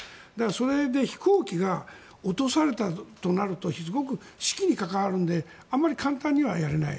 それで飛行機が落とされたとなるとすごく士気に関わるのであまり簡単にはやれない。